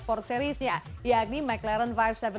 ford serisnya yakni mclaren lima ratus tujuh puluh s